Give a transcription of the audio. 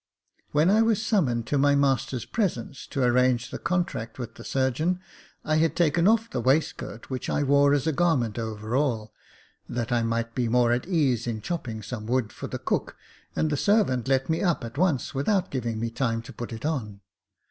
When I was summoned to my master's presence to arrange the contract with the surgeon, I had taken off the waistcoat which I wore as a garment over all, that I might be more at my ease in chopping some wood for the cook, and the servant led me up at once, without giving me time to put it on.